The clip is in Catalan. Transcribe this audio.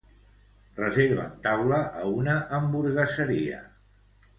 Reserva'm taula a una hamburgueseria.